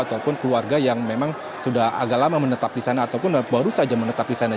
ataupun keluarga yang memang sudah agak lama menetap di sana ataupun baru saja menetap di sana